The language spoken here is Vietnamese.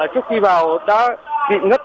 trước khi vào đã bị ngất